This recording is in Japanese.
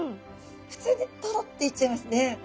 ふつうにトロッていっちゃいますね。